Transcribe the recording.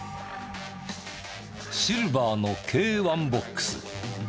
シルバーの軽ワンボックス。